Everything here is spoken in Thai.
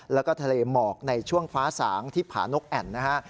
แล้วก็ทะเลหมอกในช่วงฟ้าสางที่ผานกแอ่นนะฮะ